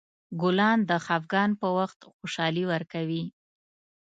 ګلان د خفګان په وخت خوشحالي ورکوي.